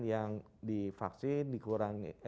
yang di vaksin